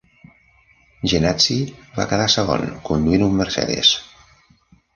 Jenatzy va quedar segon, conduint un Mercedes.